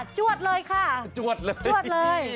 จวดเลยค่ะจวดเลย